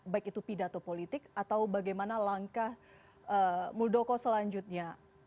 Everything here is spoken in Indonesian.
baik itu pidato politik atau bagaimana langkah muldoko selanjutnya